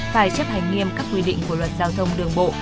phải chấp hành nghiêm các quy định của luật giao thông đường bộ